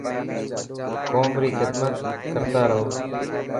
قوم ري خدمت ڪرتارهو.